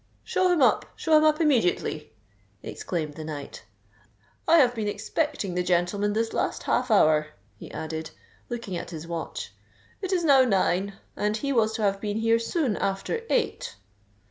"Show him up—show him up immediately!" exclaimed the knight. "I have been expecting the gentleman this last half hour," he added, looking at his watch. "It is now nine—and he was to have been here soon after eight."